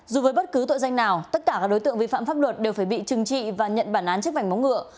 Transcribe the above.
dù với bất cứ tội danh nào tất cả các đối tượng vi phạm pháp luật đều phải bị trừng trị và nhận bản án chức vành móng ngựa